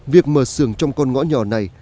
việc mở sườn trong con ngõ nhỏ này